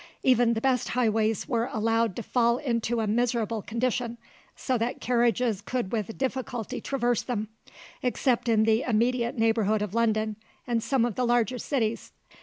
Even the best highways were allowed to fall into a miserable condition, so that carriages could with difficulty traverse them, except in the immediate neighbourhood of London and some of the larger cities.